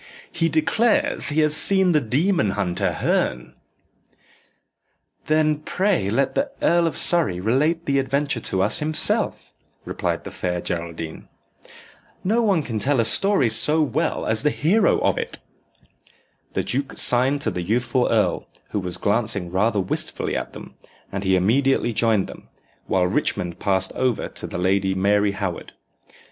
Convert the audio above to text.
"He declares he has seen the demon hunter, Herne." "Then pray let the Earl of Surrey relate the adventure to us himself," replied the Fair Geraldine. "No one can tell a story so well as the hero of it." The duke signed to the youthful earl, who was glancing rather wistfully at them, and he immediately joined them, while Richmond passed over to the Lady Mary Howard.